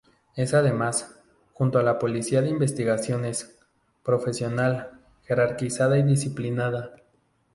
Es además, junto a la Policía de Investigaciones, profesional, jerarquizada y disciplinada.